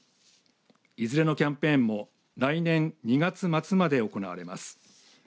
いずれのキャンペーンも来年２月末まで行われます。